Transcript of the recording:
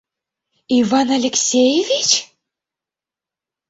«Иван Алексеевич?!